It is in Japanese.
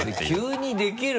急にできる？